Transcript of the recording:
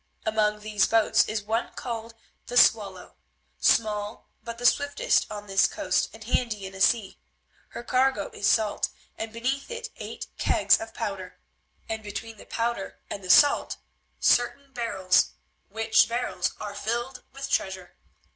Among these boats is one called the Swallow, small, but the swiftest on this coast, and handy in a sea. Her cargo is salt, and beneath it eight kegs of powder, and between the powder and the salt certain barrels, which barrels are filled with treasure.